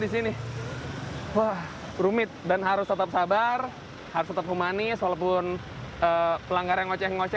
di sini wah rumit dan harus tetap sabar harus tetap humanis walaupun pelanggar yang ngoceh ngocek